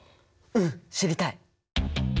うん知りたい！